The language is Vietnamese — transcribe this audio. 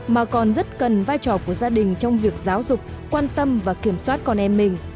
mà còn rất cần vai trò của gia đình trong việc giáo dục quan tâm và kiểm soát con em mình